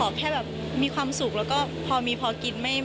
แค่แบบมีความสุขแล้วก็พอมีพอกิน